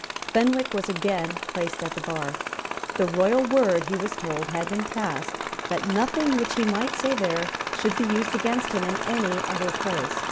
Fenwick was again placed at the bar. The royal word, he was told, had been passed that nothing which he might say there should be used against him in any other place.